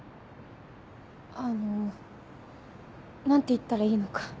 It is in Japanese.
何て言ったらいいのか。